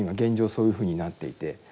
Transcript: そういうふうになっていて。